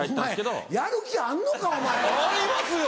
お前やる気あんのかお前は！ありますよ！